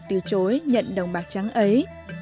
tiêu chối nhận đồng bạc trắng ấy